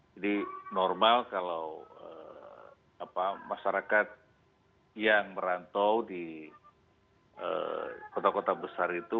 jadi normal kalau masyarakat yang merantau di kota kota besar itu